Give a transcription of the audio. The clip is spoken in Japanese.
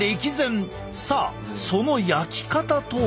さあその焼き方とは？